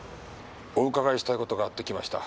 お伺いしたいことがあって来ました。